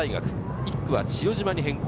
１区は千代島に変更。